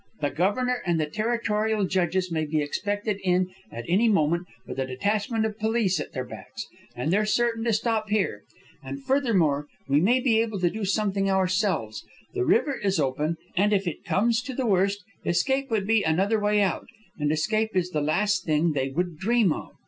The Governor and the territorial judges may be expected in at any moment with a detachment of police at their backs. And they're certain to stop here. And, furthermore, we may be able to do something ourselves. The river is open, and if it comes to the worst, escape would be another way out; and escape is the last thing they would dream of."